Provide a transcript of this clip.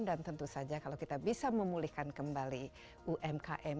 dan tentu saja kalau kita bisa memulihkan kembali umkm